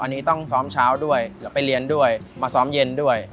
อันนี้ต้องซ้อมเช้าด้วยแล้วไปเรียนด้วยมาซ้อมเย็นด้วย